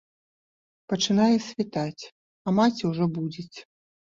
Пачынае світаць, а маці ўжо будзіць.